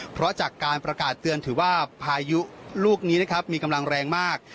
เพราะจากการประกาศเตือนถือว่าพายุลูกนี้นะครับมีกำลังแรงมาก